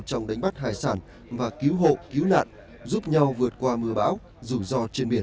trong đánh bắt hải sản và cứu hộ cứu nạn giúp nhau vượt qua mưa bão rủi ro trên biển